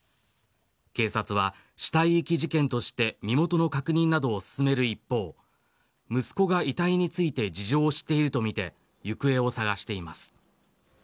警察は、死体遺棄事件として身元の確認などを進める一方息子が遺体について事情を知っているとみて行方を捜しています。